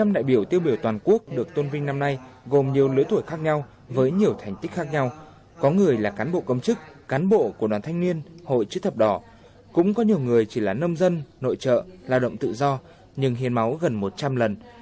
một trăm linh đại biểu tiêu biểu toàn quốc được tôn vinh năm nay gồm nhiều lứa tuổi khác nhau với nhiều thành tích khác nhau có người là cán bộ công chức cán bộ của đoàn thanh niên hội chức thập đỏ cũng có nhiều người chỉ là nông dân nội trợ lao động tự do nhưng hiến máu gần một trăm linh lần